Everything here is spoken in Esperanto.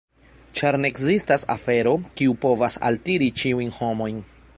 Ĉar ne ekzistas afero, kiu povas altiri ĉiujn homojn.